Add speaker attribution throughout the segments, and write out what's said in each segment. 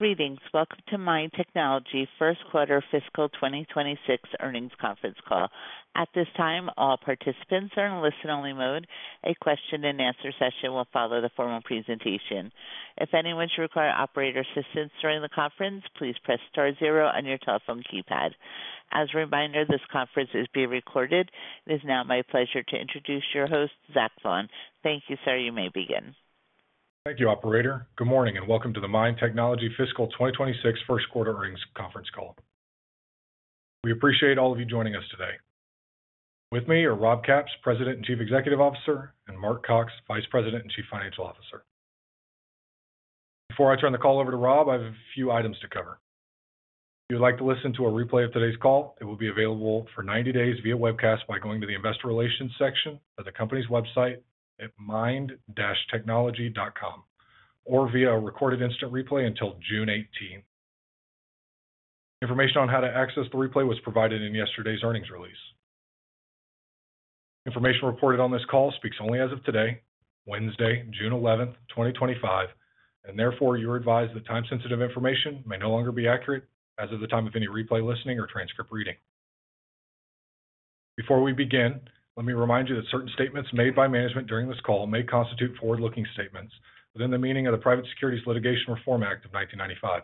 Speaker 1: Greetings. Welcome to MIND Technology First Quarter Fiscal 2026 Earnings Conference Call. At this time, all participants are in listen only mode. A question and answer session will follow the formal presentation. If anyone should require operator assistance during the conference, please press star zero on your telephone keypad. As a reminder, this conference is being recorded. It is now my pleasure to introduce your host, Zach Vaughan. Thank you, sir. You may begin.
Speaker 2: Thank you, operator. Good morning and welcome to the MIND Technology Fiscal 2026 First Quarter Earnings Conference Call. We appreciate all of you joining us today. With me are Rob Capps, President and Chief Executive Officer, and Mark Cox, Vice President and Chief Financial Officer. Before I turn the call over to Rob, I have a few items to cover. If you'd like to listen to a replay of today's call, it will be available for 90 days via webcast by going to the investor relations section, the company's website at mind-technology.com or via a recorded instant replay until June 18. Information on how to access the replay was provided in yesterday's earnings release. Information reported on this call speaks only as of today, Wednesday, June 11, 2025, and therefore you are advised that time sensitive information may no longer be accurate as of the time of any replay listening or transcript reading. Before we begin, let me remind you that certain statements made by management during this call may constitute forward looking statements within the meaning of the Private Securities Litigation Reform Act of 1995.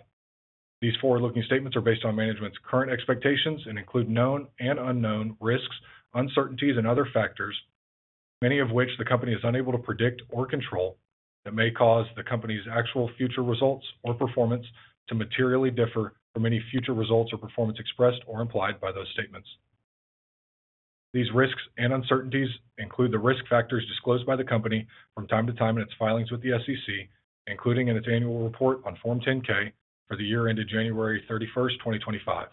Speaker 2: These forward looking statements are based on management's current expectations and include known and unknown risks, uncertainties and other factors, many of which the company is unable to predict or control that may cause the company's actual future results or performance to materially differ from any future results or performance expressed or implied by those statements. These risks and uncertainties include the risk factors disclosed by the company from time to time in its filings with the SEC, including in its Annual Report on Form 10-K for the year ended January 31, 2025.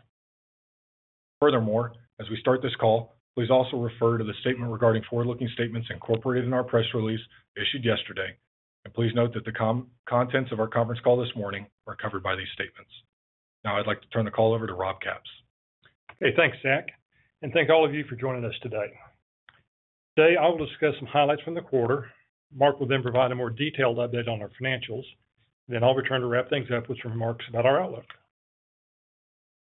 Speaker 2: Furthermore, as we start this call, please also refer to the statement regarding forward-looking statements incorporated in our press release issued yesterday. Please note that the contents of our conference call this morning are covered by these statements. Now I'd like to turn the call over to Rob Capps.
Speaker 3: Okay, thanks, Zach, and thank all of you for joining us today. Today I will discuss some highlights from the quarter. Mark will then provide a more detailed update on our financials. I'll return to wrap things up with some remarks about our outlook.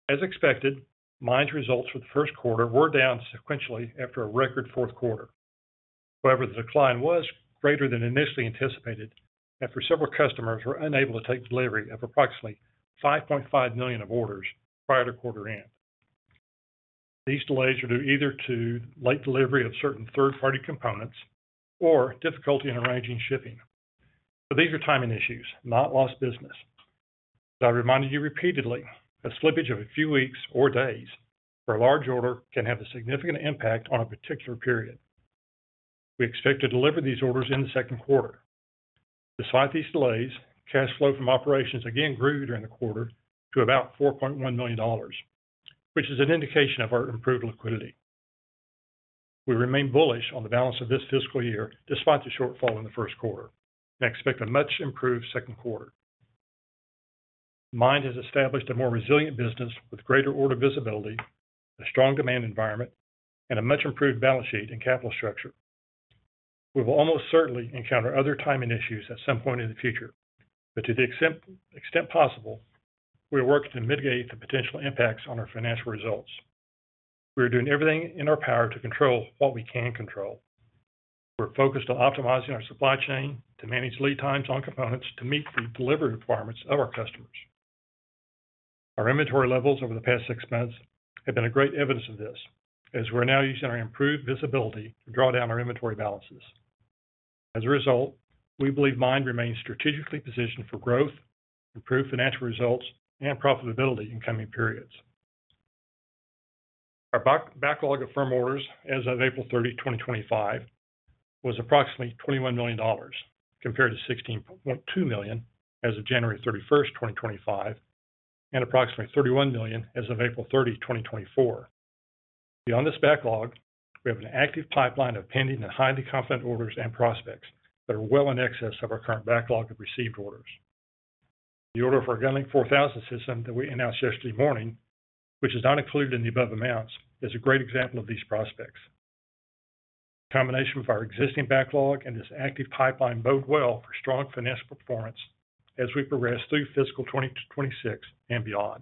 Speaker 3: As expected, MIND's results for the first quarter were down sequentially after a record fourth quarter. However, the decline was greater than initially anticipated after several customers were unable to take delivery of approximately $5.5 million of orders prior to quarter end. These delays are due either to late delivery of certain third party components or difficulty in arranging shipping, but these are timing issues, not lost business. I reminded you repeatedly, a slippage of a few weeks or days for a large order can have a significant impact on a particular period. We expect to deliver these orders in the second quarter. Despite these delays, cash flow from operations again grew during the quarter to about $4.1 million, which is an indication of our improved liquidity. We remain bullish on the balance of this fiscal year despite the shortfall in the first quarter and expect a much improved second quarter. MIND has established a more resilient business with greater order visibility, a strong demand environment, and a much improved balance sheet and capital structure. We will almost certainly encounter other timing issues at some point in the future, but to the extent possible, we are working to mitigate the potential impacts on our financial results. We are doing everything in our power to control what we can control. We are focused on optimizing our supply chain to manage lead times on components to meet the delivery requirements of our customers. Our inventory levels over the past six months have been a great evidence of this as we're now using our improved visibility to draw down our inventory balances. As a result, we believe MIND remains strategically positioned for growth, improved financial results, and profitability in coming periods. Our backlog of firm orders as of April 30, 2025 was approximately $21 million, compared to $16.2 million as of January 31, 2025, and approximately $31 million as of April 30, 2024. Beyond this backlog, we have an active pipeline of pending and highly confident orders and prospects that are well in excess of our current backlog of received orders. The order for our GunLink 4000 system that we announced yesterday morning, which is not included in the above amounts, is a great example of these prospects. Combination of our existing backlog and this active pipeline bode well for strong financial performance as we progress through fiscal 2026 and beyond.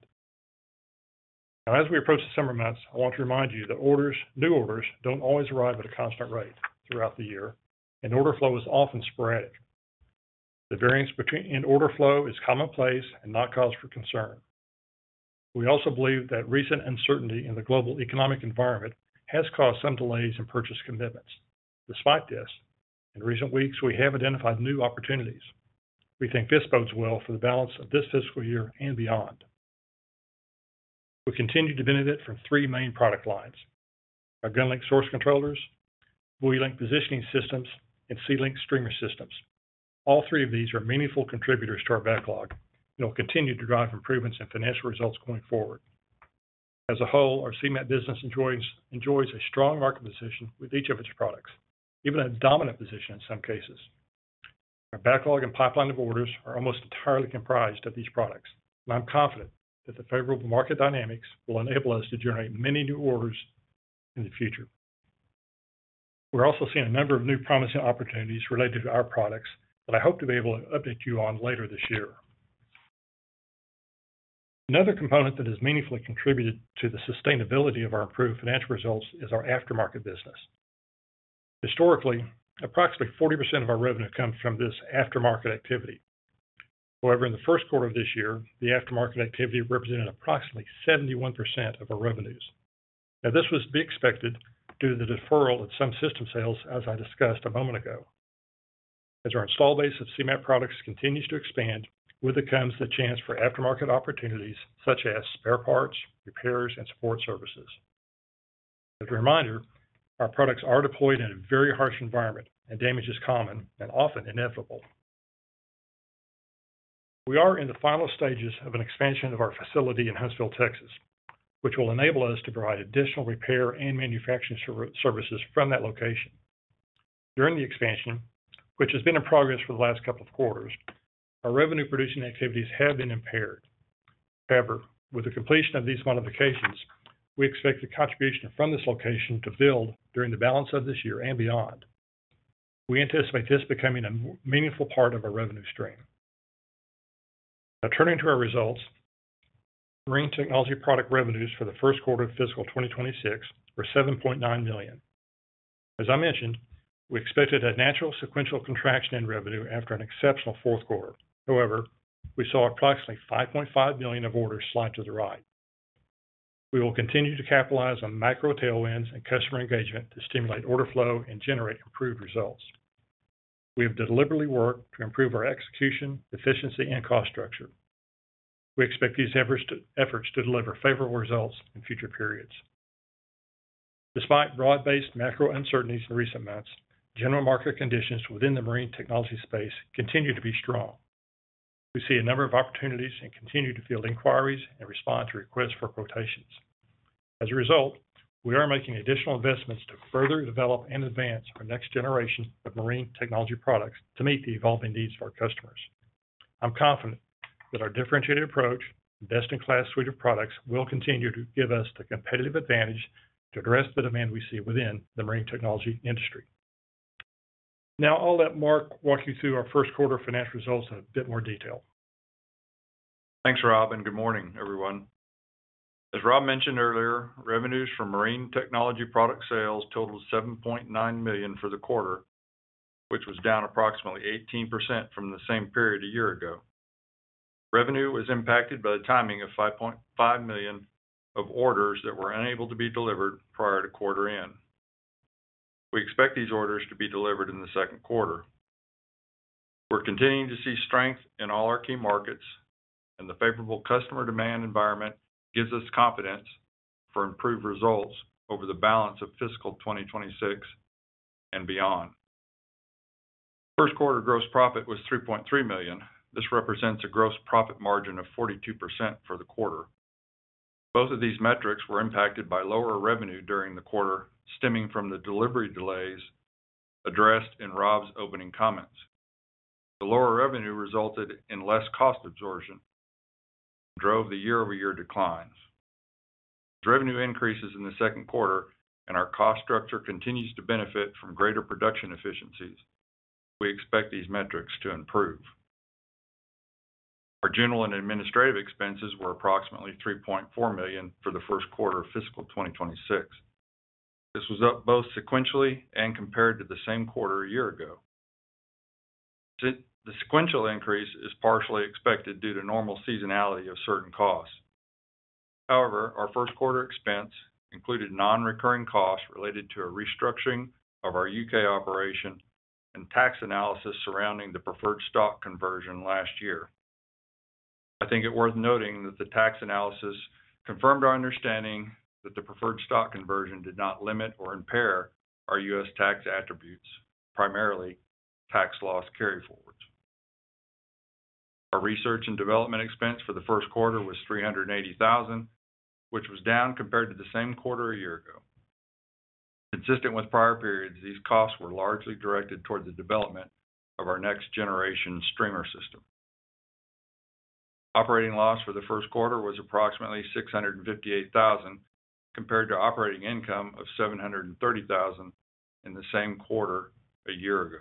Speaker 3: Now, as we approach the summer months, I want to remind you that new orders do not always arrive at a constant rate throughout the year, and order flow is often sporadic. The variance in order flow is commonplace and not cause for concern. We also believe that recent uncertainty in the global economic environment has caused some delays in purchase commitments. Despite this, in recent weeks we have identified new opportunities. We think this bodes well for the balance of this fiscal year and beyond, we continue to benefit from three main product lines, our GunLink Source Controllers, BuoyLink Positioning Systems, and SeaLink Streamer Systems. All three of these are meaningful contributors to our backlog and will continue to drive improvements in financial results going forward. As a whole, our Seamap business enjoys a strong market position with each of its products, even a dominant position in some cases. Our backlog and pipeline of orders are almost entirely comprised of these products, and I'm confident that the favorable market dynamics will enable us to generate many new orders in the future. We're also seeing a number of new promising opportunities related to our products that I hope to be able to update you on later this year. Another component that has meaningfully contributed to the sustainability of our improved financial results is our aftermarket business. Historically, approximately 40% of our revenue comes from this aftermarket activity. However, in the first quarter of this year, the aftermarket activity represented approximately 71% of our revenues. Now, this was to be expected due to the deferral of some system sales. As I discussed a moment ago, as our install base of Seamap products continues to expand, with it comes the chance for aftermarket opportunities such as spare parts, repairs and support services. As a reminder, our products are deployed in a very harsh environment and damage is common and often inevitable. We are in the final stages of an expansion of our facility in Huntsville, Texas, which will enable us to provide additional repair and manufacturing services from that location. During the expansion, which has been in progress for the last couple of quarters, our revenue producing activities have been impaired. However, with the completion of these modifications, we expect the contribution from this location to build during the balance of this year and beyond. We anticipate this becoming a meaningful part of our revenue stream. Turning to our results, marine technology product revenues for the first quarter of fiscal 2026 were $7.9 million. As I mentioned, we expected a natural sequential contraction in revenue after an exceptional fourth quarter. However, we saw approximately $5.5 million of orders slide to the right. We will continue to capitalize on macro tailwinds and customer engagement to stimulate order flow and generate improved results. We have deliberately worked to improve our execution efficiency and cost structure. We expect these efforts to deliver favorable results in future periods. Despite broad-based macro uncertainties in recent months, general market conditions within the marine technology space continue to be strong. We see a number of opportunities and continue to field inquiries and respond to requests for quotations. As a result, we are making additional investments to further develop and advance our next generation of marine technology products to meet the evolving needs of our customers. I'm confident that our differentiated approach, best-in-class suite of products, will continue to give us the competitive advantage to address the demand we see within the marine technology industry. Now I'll let Mark walk you through our first quarter financial results in a bit more detail.
Speaker 4: Thanks Rob and good morning everyone. As Rob mentioned earlier, revenues from marine technology product sales totaled $7.9 million for the quarter, which was down approximately 18% from the same period a year ago. Revenue was impacted by the timing of $5.5 million of orders that were unable to be delivered prior to quarter end. We expect these orders to be delivered in the second quarter. We're continuing to see strength in all our key markets and the favorable customer demand environment gives us confidence for improved results over the balance of fiscal 2026 and beyond. First quarter gross profit was $3.3 million. This represents a gross profit margin of 42% for the quarter. Both of these metrics were impacted by lower revenue during the quarter stemming from the delivery delays addressed in Rob's opening comments. The lower revenue resulted in less cost absorption, drove the year over year declines, revenue increases in the second quarter and our cost structure continues to benefit from greater production efficiencies. We expect these metrics to improve. Our general and administrative expenses were approximately $3.4 million for the first quarter of fiscal 2026. This was up both sequentially and compared to the same quarter a year ago. The sequential increase is partially expected due to normal seasonality of certain costs. However, our first quarter expense included non recurring costs related to a restructuring of our U.K. operation and tax analysis surrounding the preferred stock conversion last year. I think it worth noting that the tax analysis confirmed our understanding that the preferred stock conversion did not limit or impair our U.S. tax attributes, primarily tax loss carryforwards. Our research and development expense for the first quarter was $380,000, which was down compared to the same quarter a year ago, consistent with prior periods. These costs were largely directed toward the development of our next generation streamer system. Operating loss for the first quarter was approximately $658,000 compared to operating income of $730,000 in the same quarter a year ago.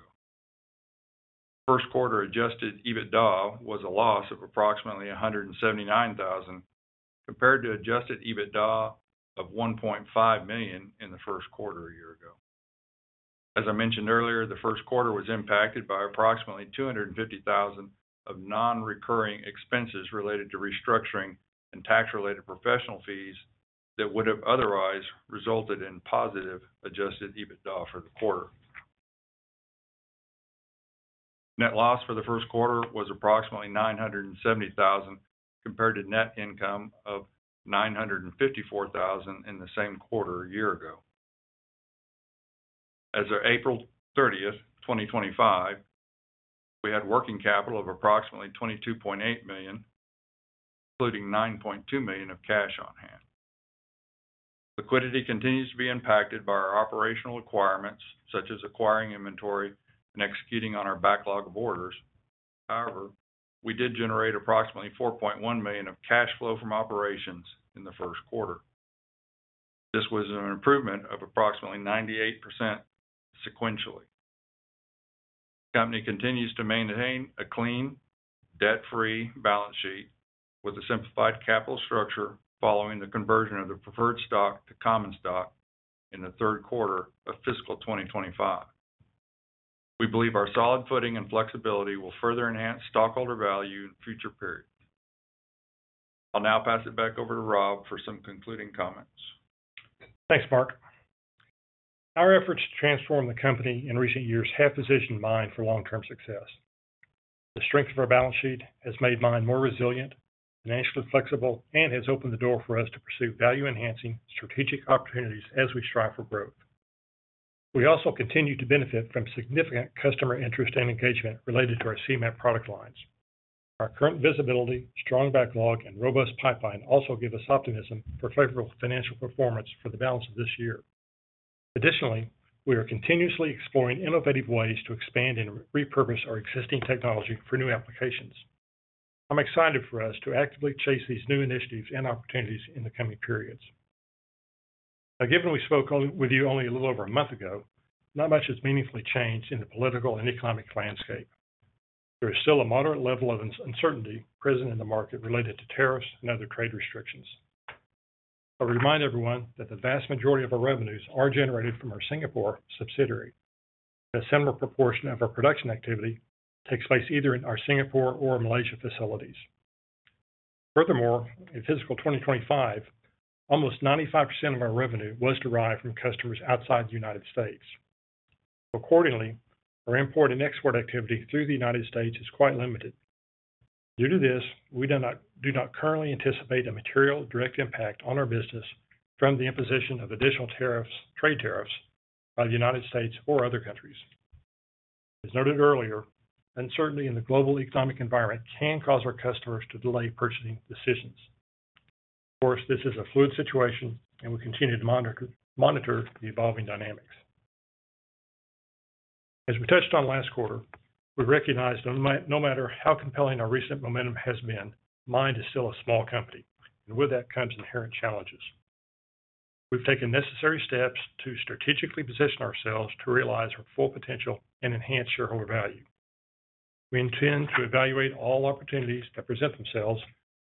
Speaker 4: First quarter adjusted EBITDA was a loss of approximately $179,000 compared to adjusted EBITDA of $1.5 million in the first quarter a year ago. As I mentioned earlier, the first quarter was impacted by approximately $250,000 of non-recurring expenses related to restructuring and tax-related professional fees that would have otherwise resulted in positive adjusted EBITDA for the quarter. Net loss for the first quarter was approximately $970,000 compared to net income of $954,000 in the same quarter a year ago. As of April 30, 2025, we had working capital of approximately $22.8 million, including $9.2 million of cash on hand. Liquidity continues to be impacted by our operational requirements such as acquiring inventory and executing on our backlog of orders. However, we did generate approximately $4.1 million of cash flow from operations in the first quarter. This was an improvement of approximately 98%. Sequentially, company continues to maintain a clean, debt-free balance sheet with a simplified capital structure following the conversion of the preferred stock to common stock in the third quarter of fiscal 2025. We believe our solid footing and flexibility will further enhance stockholder value in future periods. I'll now pass it back over to Rob for some concluding comments.
Speaker 3: Thanks, Mark. Our efforts to transform the company in recent years have positioned MIND for long term success. The strength of our balance sheet has made MIND more resilient, financially flexible, and has opened the door for us to pursue value enhancing strategic opportunities as we strive for growth. We also continue to benefit from significant customer interest and engagement related to our Seamap product lines. Our current visibility, strong backlog and robust pipeline also give us optimism for favorable financial performance for the balance of this year. Additionally, we are continuously exploring innovative ways to expand and repurpose our existing technology for new applications. I'm excited for us to actively chase these new initiatives and opportunities in the coming periods. Given we spoke with you only a little over a month ago, not much has meaningfully changed in the political and economic landscape. There is still a moderate level of uncertainty present in the market related to tariffs and other trade restrictions. I remind everyone that the vast majority of our revenues are generated from our Singapore subsidiary. A similar proportion of our production activity takes place either in our Singapore or Malaysia facilities. Furthermore, in fiscal 2025, almost 95% of our revenue was derived from customers outside the U.S. Accordingly, our import and export activity through the U.S. is quite limited. Due to this, we do not currently anticipate a material direct impact on our business from the imposition of additional tariffs or trade tariffs by the U.S. or other countries. As noted earlier, uncertainty in the global economic environment can cause our customers to delay purchasing decisions. Of course, this is a fluid situation and we continue to monitor the evolving dynamics. As we touched on last quarter, we recognized no matter how compelling our recent momentum has been, MIND is still a small company and with that comes inherent challenges. We've taken necessary steps to strategically position ourselves to realize our full potential and enhance shareholder value. We intend to evaluate all opportunities that present themselves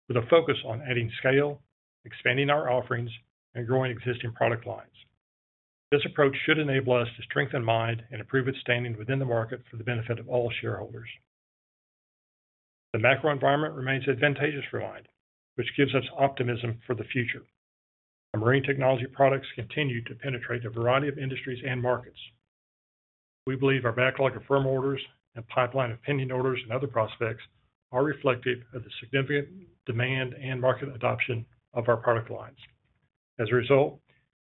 Speaker 3: with a focus on adding scale, expanding our offerings and growing existing product lines. This approach should enable us to strengthen MIND and improve its standing within the market for the benefit of all shareholders. The macro environment remains advantageous for MIND, which gives us optimism for the future. Marine technology products continue to penetrate a variety of industries and markets. We believe our backlog of firm orders and pipeline of pending orders and other prospects are reflective of the significant demand and market adoption of our product lines. As a result,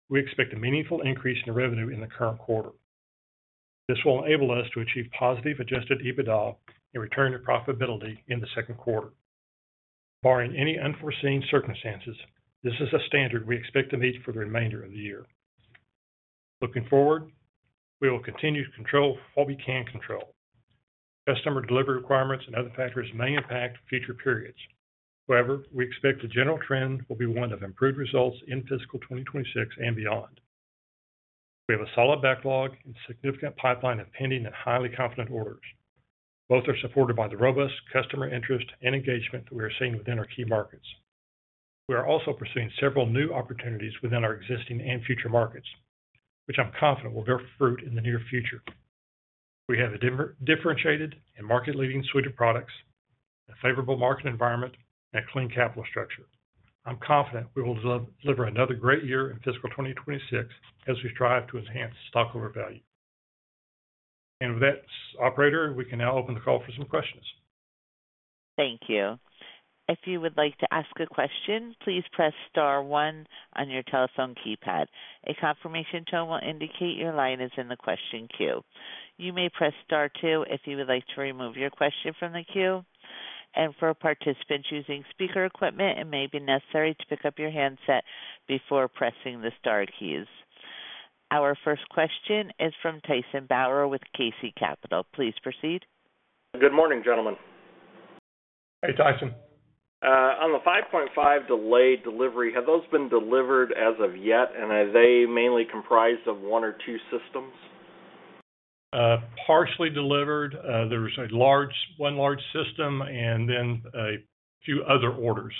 Speaker 3: we expect a meaningful increase in revenue in the current quarter. This will enable us to achieve positive adjusted EBITDA and return to profitability in the second quarter, barring any unforeseen circumstances. This is a standard we expect to meet for the remainder of the year. Looking forward, we will continue to control what we can control. Customer delivery requirements and other factors may impact future periods. However, we expect the general trend will be one of improved results in fiscal 2026 and beyond. We have a solid backlog and significant pipeline of pending and highly confident orders. Both are supported by the robust customer interest and engagement that we are seeing within our key markets. We are also pursuing several new opportunities within our existing and future markets which I'm confident will bear fruit in the near future. We have a differentiated and market leading suite of products, a favorable market environment and a clean capital structure. I'm confident we will deliver another great year in fiscal 2026 as we strive to enhance stockholder value and with that operator, we can now open the call for some questions.
Speaker 1: Thank you. If you would like to ask a question, please press star one on your telephone keypad. A confirmation tone will indicate your line is in the question queue. You may press star two if you would like to remove your question from the queue. For participants using speaker equipment, it may be necessary to pick up your handset before pressing the star keys. Our first question is from Tyson Bauer with KC Capital. Please proceed.
Speaker 5: Good morning, gentlemen.
Speaker 3: Hey Tyson.
Speaker 5: On the 5.5 delayed delivery, have those been delivered as of yet and are they mainly comprised of one or two systems?
Speaker 3: Partially delivered, there's one large system and then a few other orders.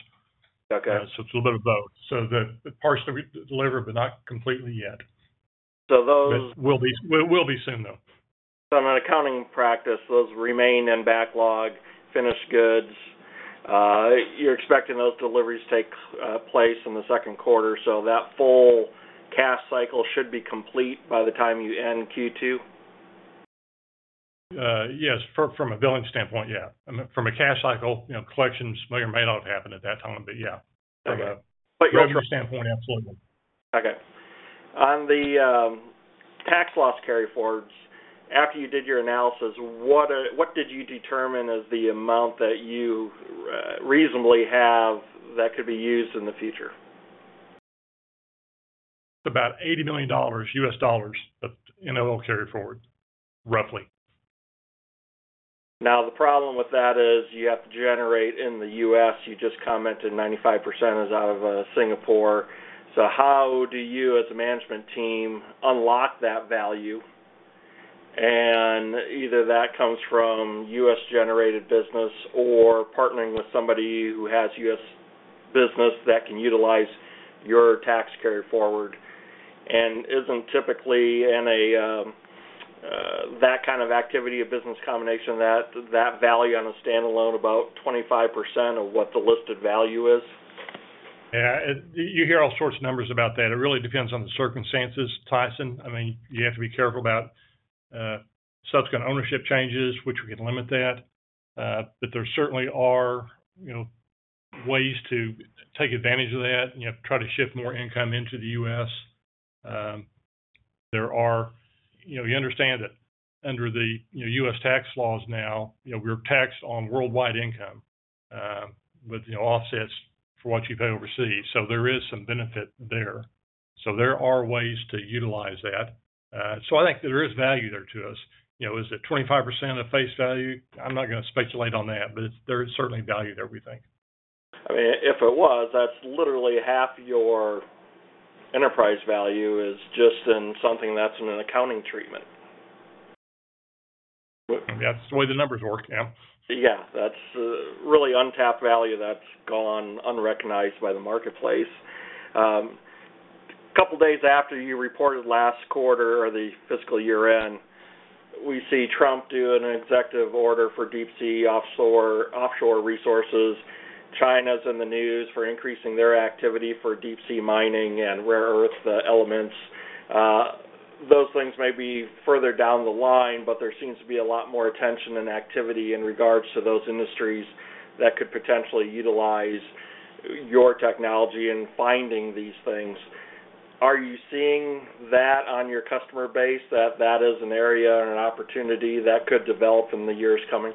Speaker 3: Okay, so it's a little bit of both. The partially delivered but not completely yet. Those will be soon though.
Speaker 5: On an accounting practice those remain in backlog finished goods. You're expecting those deliveries take place in the second quarter, so that full cash cycle should be complete by the time you end. Q2.
Speaker 3: Yes, from a billing standpoint? Yeah. From a cash cycle, you know, collections may or may not have happened at that time, but yeah.
Speaker 5: Okay. On the tax loss carryforwards, after you did your analysis, what did you determine as the amount that you reasonably have that could be used in the future?
Speaker 3: About $80 million U.S. dollars of NOL carryforward, roughly.
Speaker 5: Now the problem with that is you have to generate in the U.S. you just commented 95% is out of Singapore. How do you as a management team unlock that value? Either that comes from U.S. generated business or partnering with somebody who has U.S. business that can utilize your tax carry forward and isn't typically in that kind of activity, a business combination that that value on a stand alone about 25% of what the listed value is?
Speaker 3: Yeah, you hear all sorts of numbers about that. It really depends on the circumstances, Tyson. I mean, you have to be careful about subsequent ownership changes, which we can limit that, but there certainly are ways to take advantage of that, try to shift more income into the U.S. There are, you know, you understand that under the U.S. tax laws now we're taxed on worldwide income with offsets for what you pay overseas. There is some benefit there. There are ways to utilize that. I think there is value there to us. You know, is it 25% of face value? I'm not going to speculate on that, but there is certainly value there, we think.
Speaker 5: I mean if it was, that's literally half your enterprise value is just in something that's in an accounting treatment.
Speaker 3: That's the way the numbers work.
Speaker 5: Yeah, that's really untapped value that's gone unrecognized by the marketplace. A couple days after you reported last quarter or the fiscal year end, we see Trump do an executive order for deep sea offshore resources. China's in the news for increasing their activity for deep sea mining and rare earth elements. Those things may be further down the line, but there seems to be a lot more attention and activity in regards to those industries that could potentially, potentially utilize your technology in finding these things. Are you seeing that on your customer base that that is an area and an opportunity that could develop in the? Years coming.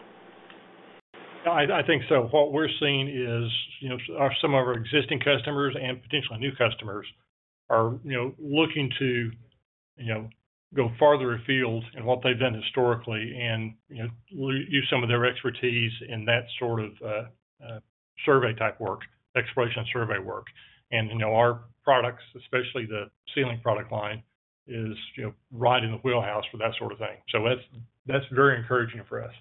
Speaker 3: I think. What we're seeing is, you know, some of our existing customers and potentially new customers are, you know, looking to, you know, go farther afield than what they've done historically and, you know, use some of their expertise in that sort of survey type work, exploration survey work. You know, our products, especially the SeaLink product line, are, you know, right in the wheelhouse for that sort of thing. That's very encouraging for us.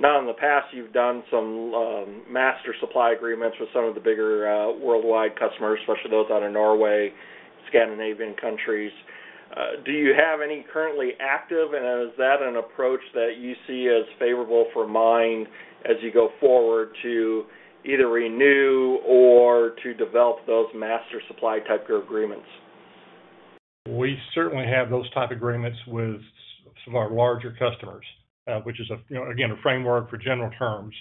Speaker 5: Now in the past you've done some master supply agreements with some of the bigger worldwide customers, especially those out of Norway, Scandinavian countries. Do you have any currently active and is that, is that an approach that you see as favorable for MIND as you go forward to either renew or to develop those master supply type agreements?
Speaker 3: We certainly have those type agreements with some of our larger customers, which is again a framework for general terms.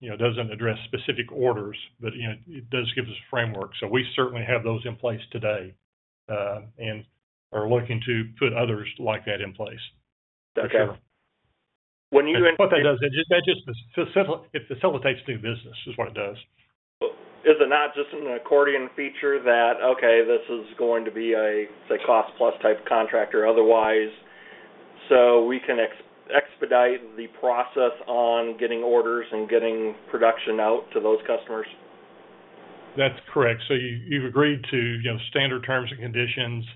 Speaker 3: It does not address specific orders, but it does give us a framework. We certainly have those in place today and are looking to put others like that in place. What that does, that just facilitates new business is what it does.
Speaker 5: Is it not just an accordion feature that, okay, this is going to be a cost plus type contract or otherwise, so we can expedite the process on getting orders and getting production out to those customers?
Speaker 3: That's correct. You have agreed to standard terms and conditions.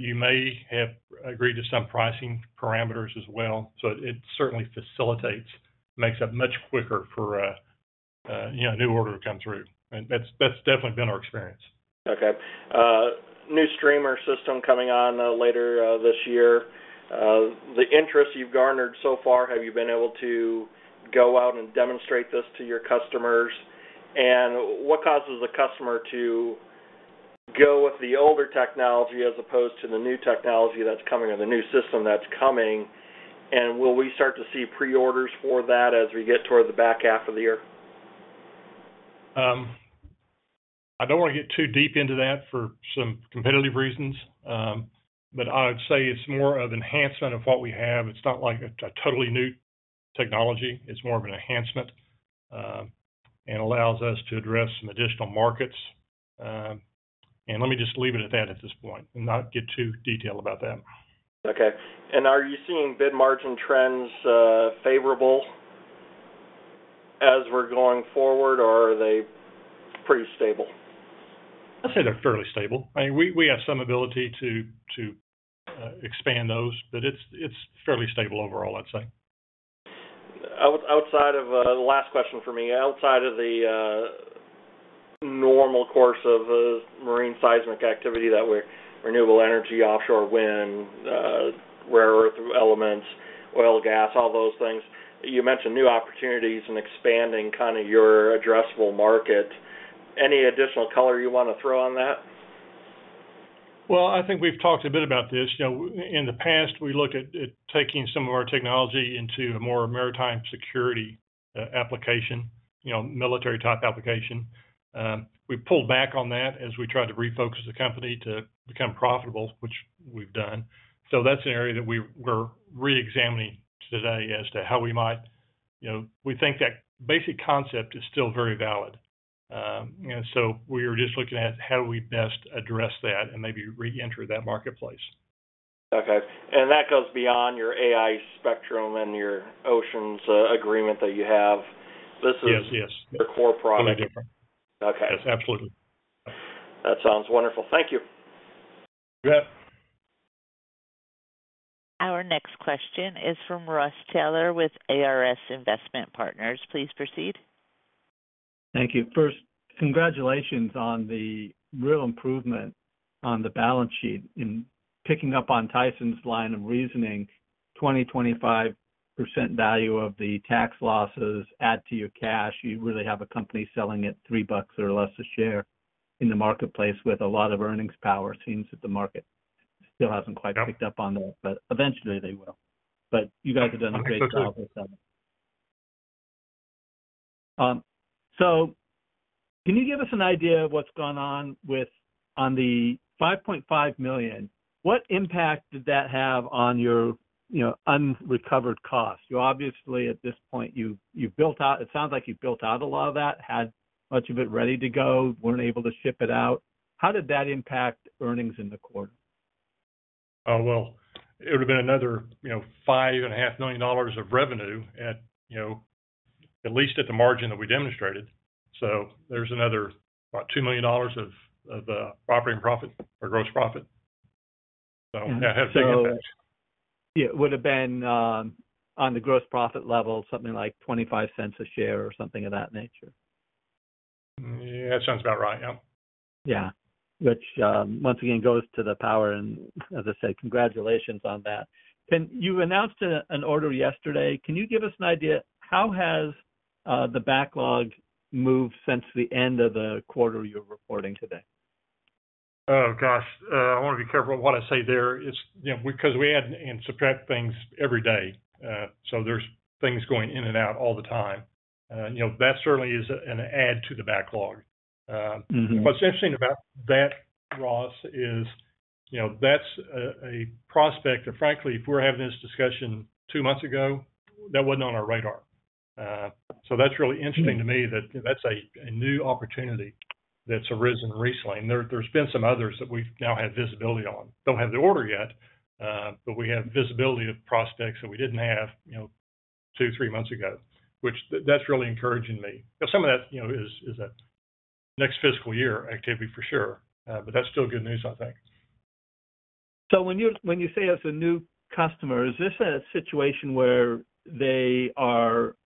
Speaker 3: You may have agreed to some pricing parameters as well. It certainly facilitates, makes it much quicker for a new order to come through. That has definitely been our experience.
Speaker 5: Okay. New streamer system coming on later this year. The interest you've garnered so far, have you been able to go out and demonstrate this to your customers and what causes the customer to go with the older technology as opposed to the new technology that's coming or the new system that's coming? Will we start to see pre orders for that as we get toward the back half of the year?
Speaker 3: I don't want to get too deep into that for some competitive reasons, but I would say it's more of an enhancement of what we have. It's not like a totally new technology. It's more of an enhancement and allows us to address some additional markets. Let me just leave it at that at this point and not get too detailed about that.
Speaker 5: Okay. Are you seeing bid margin trends favorable as we're going forward or are they pretty stable?
Speaker 3: I'd say they're fairly stable. We have some ability to expand those, but it's fairly stable overall. I'd say.
Speaker 5: Outside of the last question, for me, outside of the normal course of marine seismic activity that were renewable energy, offshore wind, rare earth elements, oil, gas, all those things you mentioned, new opportunities and expanding kind of your addressable market. Any additional customers you want to throw on that?
Speaker 3: I think we've talked a bit about this in the past. We looked at taking some of our technology into a more maritime security application. Military type application. We pulled back on that as we tried to refocus the company to become profitable, which we've done. That is an area that we're re-examining today as to how we might, we think that basic concept is still very valid. We are just looking at how do we best address that and maybe re-enter that marketplace.
Speaker 5: Okay. And that goes beyond your AI spectrum and your Oceans agreement that you have. This is the core product. Okay,
Speaker 3: yes, absolutely.
Speaker 5: That sounds wonderful. Thank you.
Speaker 1: Our next question is from Ross Taylor with ARS Investment Partners. Please proceed.
Speaker 6: Thank you. First, congratulations on the real improvement on the balance sheet in picking up on Tyson's line of reasoning, 20-25% value of the tax losses. Add to your cash. You really have a company selling at $3 or less a share in the marketplace with a lot of earnings power. Seems that the market still hasn't quite picked up on that, eventually they will. You guys have done a great job. Can you give us an idea of what's gone on with the $5.5 million? What impact did that have on your unrecovered cost? You obviously at this point you built out, it sounds like you built out a lot of that, had much of it ready to go, weren't able to ship it out. How did that impact earnings in the quarter?
Speaker 3: Oh, it would have been another, you know, $5.5 million of revenue at, you know, at least at the margin that we demonstrated. So there's another about $2 million of operating profit or gross profit.
Speaker 6: Yeah, it would have been on the gross profit level something like $0.25 a share or something of that nature.
Speaker 3: Yeah, that sounds about right. Yep.
Speaker 6: Yeah. Which once again goes to the power. As I said, congratulations on that. You announced an order yesterday. Can you give us an idea how has the backlog moved since the end of the quarter you are reporting today?
Speaker 3: Oh, gosh, I want to be careful what I say there. It's, you know, because we add and subtract things every day, so there's things going in and out all the time. You know, that certainly is an add to the backlog. What's interesting about that, Ross, is, you know, that's a prospect and frankly, if we're having this discussion two months ago, that wasn't on our radar. That's really interesting to me that that's a new opportunity that's arisen recently. There have been some others that we now have visibility on, don't have the order yet, but we have visibility of prospects that we didn't have, you know, two, three months ago, which that's really encouraging me. Some of that, you know, is that next fiscal year activity for sure. That is still good news, I think.
Speaker 6: When you say as a new customer, is this a situation where they are,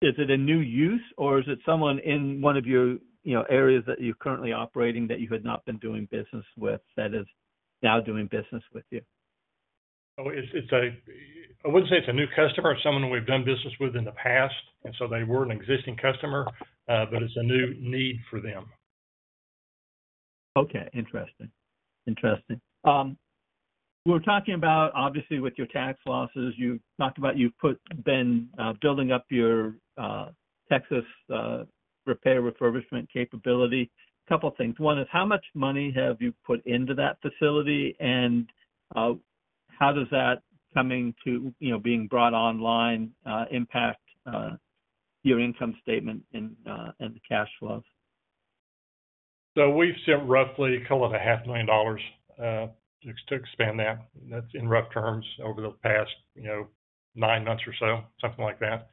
Speaker 6: is it a new use or is it someone in one of your, you know, areas that you're currently operating that you had not been doing business with, that is now doing business with you?
Speaker 3: Oh, it's a, I wouldn't say it's a new customer, someone we've done business with in the past. They were an existing customer, but it's a new need for them.
Speaker 6: Okay, interesting, interesting. We're talking about, obviously with your tax losses. You talked about you've been building up your Texas repair refurbishment capability. A couple things. One is how much money have you put into that facility and how does that coming to, you know, being brought online impact your income statement and the cash flows?
Speaker 3: We've sent roughly, call it, $500,000 to expand that. That's in rough terms over the past, you know, nine months or so, something like that.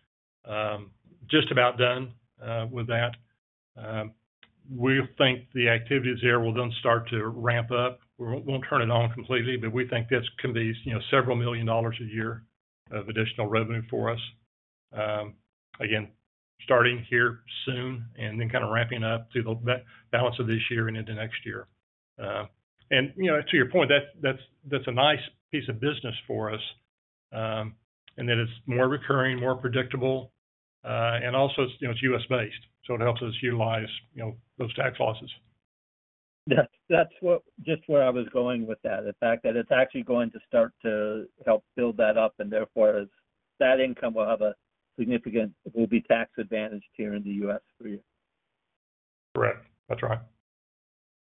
Speaker 3: Just about done with that. We think the activities there will then start to ramp up. We won't turn it on completely, but we think this can be several million dollars a year of additional revenue for us again, starting here soon and then kind of ramping up through the balance of this year and into next year. To your point, that's a nice piece of business for us in that it's more recurring, more predictable, and also it's U.S. based, so it helps us utilize those tax losses.
Speaker 6: That's just where I was going with that. The fact that it's actually going to start to help build that up and therefore that income will have a significant, will be tax advantaged here in the U.S. for you.
Speaker 3: Correct. That's right.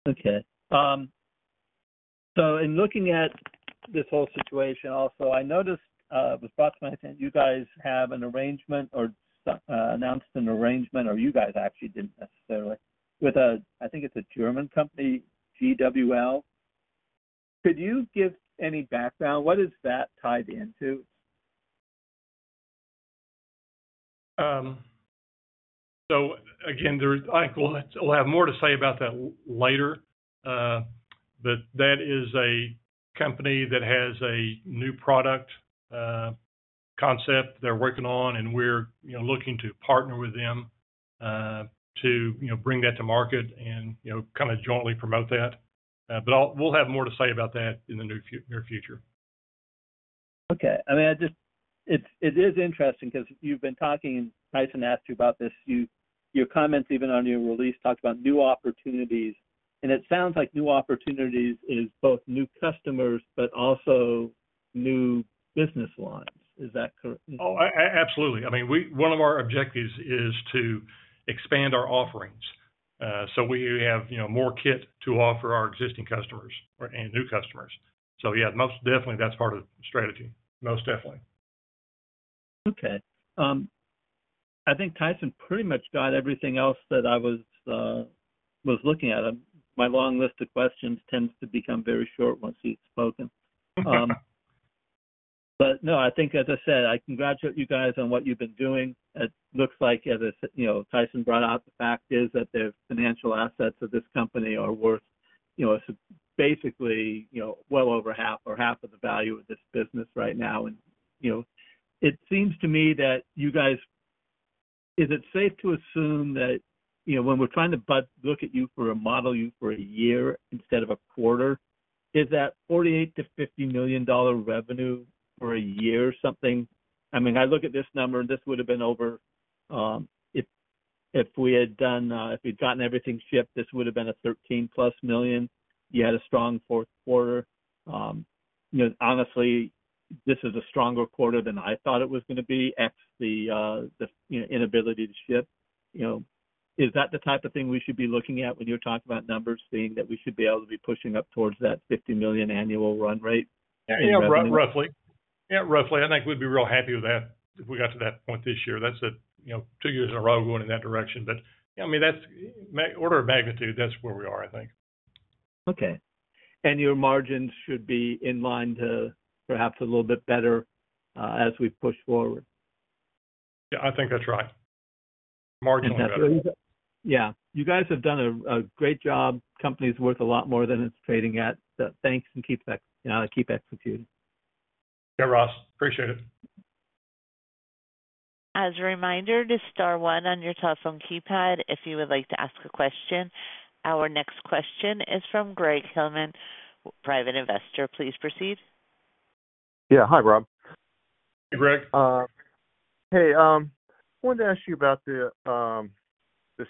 Speaker 6: Okay. So in looking at this whole situation also, I noticed it was brought to my attention you guys have an arrangement or announced an arrangement or you guys actually didn't necessarily with a, I think it's a German company, GWL. Could you give any background what is that tied into?
Speaker 3: Again, we'll have more to say about that later. That is a company that has a new product concept they're working on and we're looking to partner with them to bring that to market and kind of jointly promote that. We'll have more to say about that in the near future.
Speaker 6: Okay. I mean it is interesting because you've been talking, Tyson asked you about this. Your comments even on your release talked about new opportunities. It sounds like new opportunities is both new customers but also new business lines. Is that correct?
Speaker 3: Oh, absolutely. I mean, we, one of our objectives is to expand our offerings so we have, you know, more kit to offer our existing customers and new customers. So yeah, most definitely. That's part of the strategy. Most definitely.
Speaker 6: Okay. I think Tyson pretty much got everything else that I was looking at. My long list of questions tends to become very short once you. I congratulate you guys on what you've been doing. It looks like, as you know, Tyson brought out, the fact is that the financial assets of this company are worth, you know, basically, you know, well over half or half of the value of this business right now. You know, it seems to me that you guys, is it safe to assume that, you know, when we're trying to look at you or model you for a year instead of a quarter, is that $48 million-$50 million revenue for a year or something? I mean, I look at this number, this would have been over if we had done, if we'd gotten everything shipped. This would have been a $13+ million. You had a strong fourth quarter. You know, honestly, this is a stronger quarter than I thought it was going to be ex the inability to ship, you know, is that the type of thing we should be looking at when you're talking about numbers? Seeing that we should be able to be pushing up towards that $50 million annual run rate?
Speaker 3: Roughly. Yeah, roughly. I think we'd be real happy with that if we got to that point this year. That's a, you know, two years in a row going in that direction. I mean that's order of magnitude. That's where we are, I think.
Speaker 6: Okay. Your margins should be in line to perhaps a little bit better as we push forward.
Speaker 3: Yeah, I think that's right. Margin.
Speaker 6: Yeah. You guys have done a great job. Company's worth a lot more than it's trading at. Thanks. Keep executing.
Speaker 3: Yeah, Ross, appreciate it.
Speaker 1: As a reminder, to star one on your telephone keypad if you would like to ask a question. Our next question is from Greg Hillman, private investor. Please proceed. Yeah, hi, Rob.
Speaker 3: Hey, Greg. Hey. I wanted to ask you about the.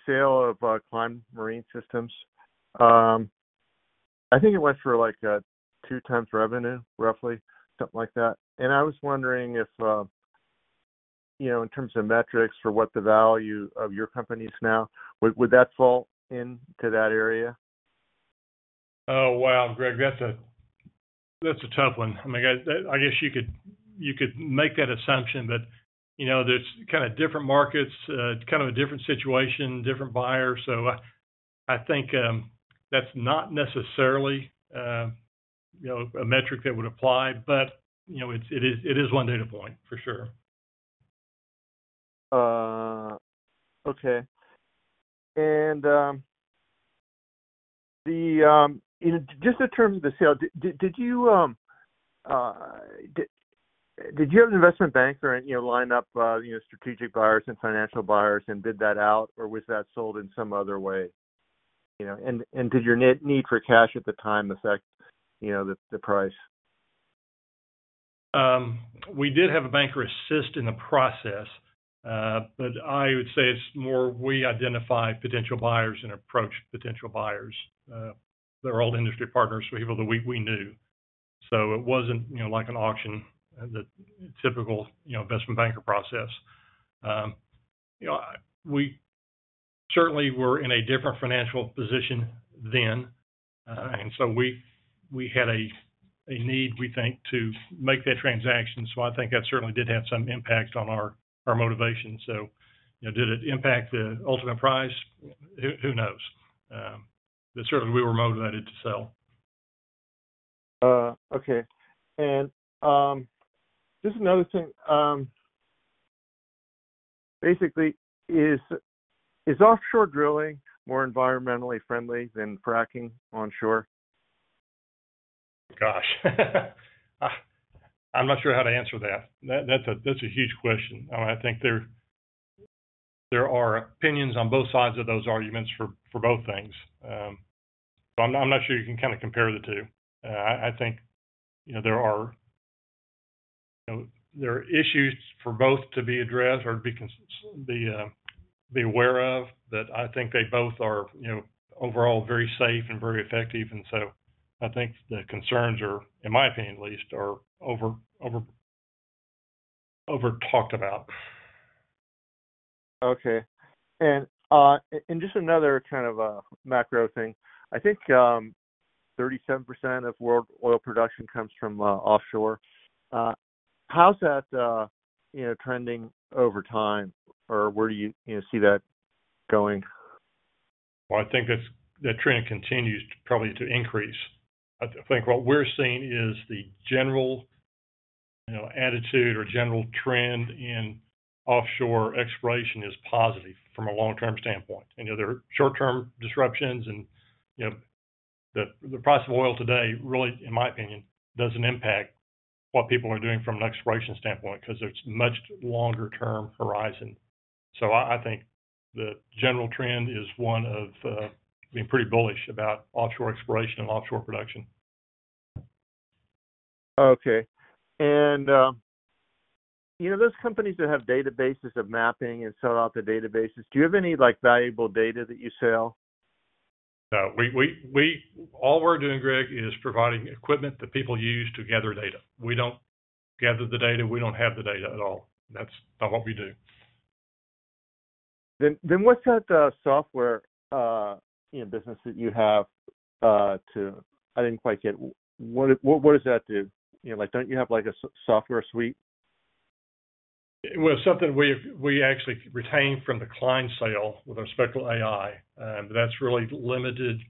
Speaker 3: Sale of Klein Marine Systems. I think it went for like two times revenue, roughly, something like that. I was wondering if, you know, in terms of metrics for what the value of your company is now, would that fall into that area. Oh, wow, Greg, that's a, that's a tough one. I mean, I guess you could, you could make that assumption. You know, there's kind of different markets, kind of a different situation, different buyers. I think that's not necessarily, you know, a metric that would apply, but you know, it is one data point for sure. Okay. And just in terms of the sale, did you have an investment banker line up strategic buyers and financial buyers? Bid that out or was that sold in some other way and did your need for cash at the time affect the price? We did have a banker assist in the process, but I would say it's more we identified potential buyers and approached potential buyers. They're all industry partners that we knew. It wasn't like an auction, the typical investment banker process. We certainly were in a different financial position then. We had a need, we think, to make that transaction. I think that certainly did have some impact on our motivation. You know, did it impact the ultimate price? Who knows? Certainly we were motivated to sell. Okay. Just another thing basically is, is. Offshore drilling more environmentally friendly than fracking onshore? Gosh, I'm not sure how to answer that. That's a huge question. I think there are opinions on both sides of those arguments for both things. I'm not sure you can kind of compare the two. I think there are issues for both to be addressed or be aware of, but I think they both are overall very safe and very effective. I think the concerns are, in my opinion at least, are over talked about. Okay. Just another kind of macro thing. I think 37% of world oil production comes from offshore. How's that trending over time or where? Do you see that going? I think that trend continues probably to increase. I think what we're seeing is the general attitude or general trend in offshore exploration is positive from a long term standpoint and other short term disruptions. The price of oil today really, in my opinion, doesn't impact what people are doing from an exploration standpoint because there's a much longer term horizon. I think the general trend is one of being pretty bullish about offshore exploration and offshore production. Okay. You know those companies that have databases of mapping and sell out the databases. Do you have any like valuable data that you sell? we all were doing, Greg, is providing equipment that people use to gather data. We do not gather the data. We do not have the data at all. That is not what we do. What's that software business that you have? I didn't quite get. What does that do? Like, don't you have like a software suite? Something we actually retained from the Klein sale with our Spectral AI, that's really limited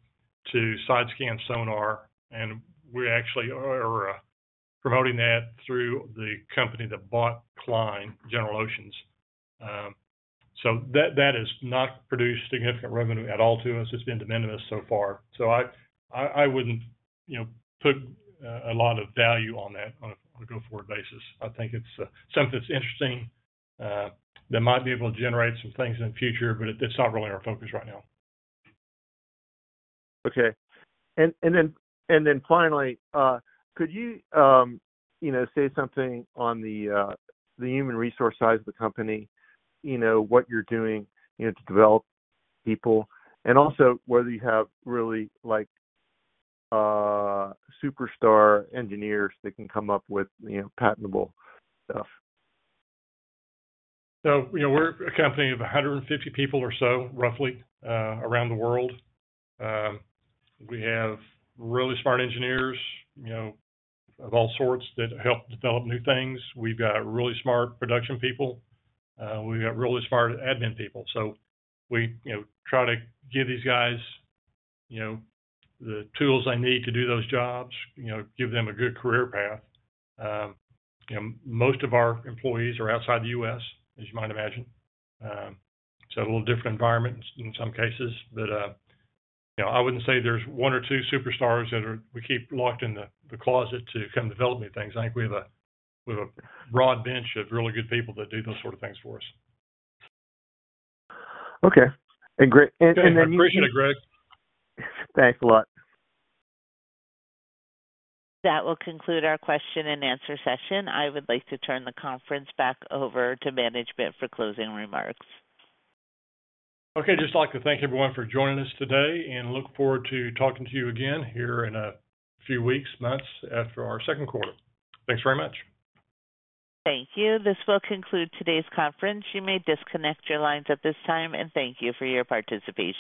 Speaker 3: to side scan sonar, and we actually are promoting that through the company that bought Klein, General Oceans. That has not produced significant revenue at all to us. It's been de minimis so far. I wouldn't put a lot of value on that on a go forward basis. I think it's something that's interesting that might be able to generate some things in the future, but that's not really our focus right now. Okay, and then finally, could you, you. Know, say something on the human resource side of the company, you know, what you're doing, you know, to develop people and also whether you have really like superstar engineers that can come up with, you know, patentable stuff. So, you know, we're a company of 150 people or so roughly around the world. We have really smart engineers, you know, of all sorts that help develop new things. We've got really smart production people, we've got really smart admin people. So we, you know, try to give these guys, you know, the tools they need to do those jobs, you know, give them a good career path. Most of our employees are outside the U.S. as you might imagine. A little different environment in some cases. I wouldn't say there's one or two superstars that we keep locked in the closet to come develop new things. I think we have a broad bench of really good people that do those sort of things for us. Okay. Appreciate it, Greg. Thanks a lot.
Speaker 1: That will conclude our question and answer session. I would like to turn the conference back over to management for closing remarks.
Speaker 3: Okay. Just like to thank everyone for joining us today and look forward to talking to you again here in a few weeks, months after our second quarter. Thanks very much.
Speaker 1: Thank you. This will conclude today's conference. You may disconnect your lines at this time and thank you for your participation.